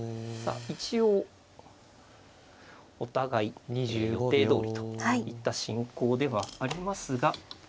一応お互い予定どおりといった進行ではありますが。